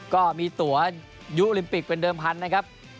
ก็มีตัวยุลิมปิกเป็นเดิมพันธุ์นะครับ